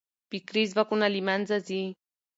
فکري ځواکونه له منځه ځي.